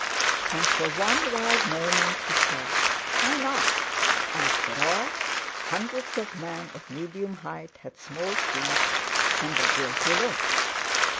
And for one wild moment he thought: "Why not?" After all, hundreds of men of medium height had small feet and a guilty look!